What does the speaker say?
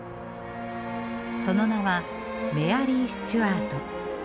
その名はメアリー・スチュアート。